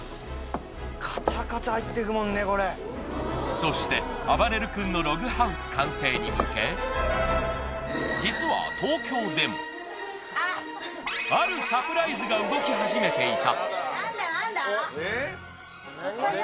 そしてあばれる君のログハウス完成に向け、実は東京でもあるサプライズが動き始めていた。